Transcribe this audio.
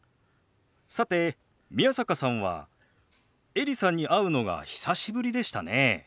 さて宮坂さんはエリさんに会うのが久しぶりでしたね。